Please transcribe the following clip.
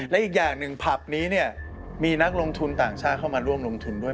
และอีกอย่างหนึ่งผับนี้เนี่ยมีนักลงทุนต่างชาติเข้ามาร่วมลงทุนด้วย